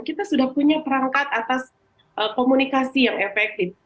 kita sudah punya perangkat atas komunikasi yang efektif